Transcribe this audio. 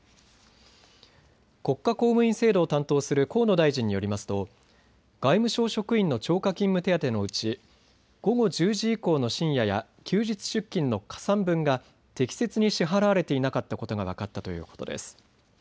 国家公務員制度を担当する河野大臣によりますと外務省職員の超過勤務手当のうち午後１０時以降の深夜や休日出勤の加算分が適切に支払われていなかったことが分かったということです。